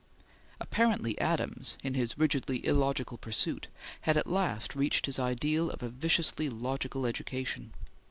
Apparently Adams, in his rigidly illogical pursuit, had at last reached his ideal of a viciously logical education.